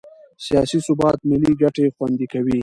سیاسي ثبات ملي ګټې خوندي کوي